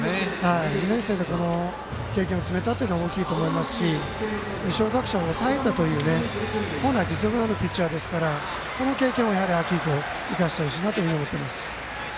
２年生でこの経験を積めたのは大きいと思いますし二松学舎を抑えたという本来実力のあるピッチャーですからこの経験を秋以降生かしてほしいなと思います。